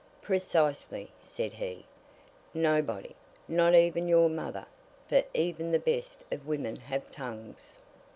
"Precisely!" said he. "Nobody! Not even your mother for even the best of women have tongues."